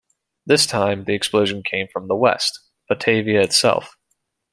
This time, the explosion came from the west: Batavia itself.